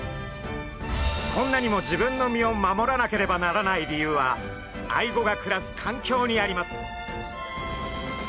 こんなにも自分の身を守らなければならない理由はアイゴが暮らす環境にあります。